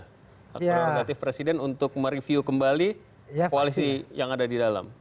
hak prerogatif presiden untuk mereview kembali koalisi yang ada di dalam